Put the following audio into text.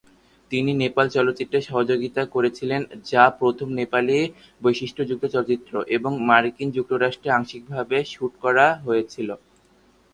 তিনি "নেপাল" চলচ্চিত্রে সহযোগিতা করেছিলেন, যা প্রথম নেপালি বৈশিষ্ট্যযুক্ত চলচ্চিত্র এবং মার্কিন যুক্তরাষ্ট্রে আংশিকভাবে শুট করা হয়েছিল।